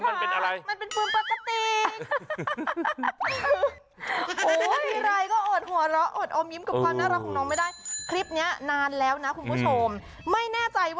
มันเป็นปืนปฤติ